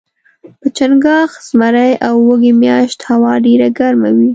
په چنګاښ ، زمري او وږي میاشت هوا ډیره ګرمه وي